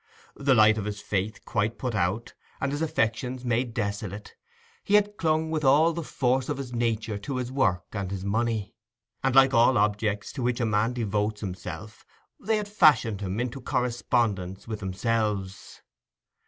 The light of his faith quite put out, and his affections made desolate, he had clung with all the force of his nature to his work and his money; and like all objects to which a man devotes himself, they had fashioned him into correspondence with themselves.